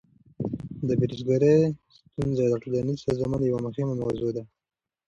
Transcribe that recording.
د بیروزګاری ستونزه د ټولنیز سازمان یوه مهمه موضوع ده.